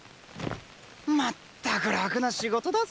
まったく楽な仕事だぜ！